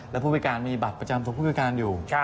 แล้วผู้พิการมีบัตรประจำตัวผู้พิการอยู่